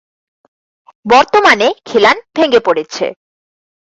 বর্তমানে খিলান ভেঙ্গে পড়েছে।